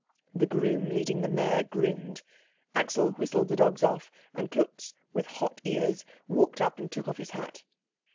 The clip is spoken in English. The groom leading the mare grinned; Axel whistled the dogs off; and Klutz, with hot ears, walked up and took off his hat.